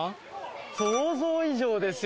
想像以上ですよ！